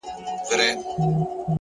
هره هڅه د ځان جوړونې برخه ده!.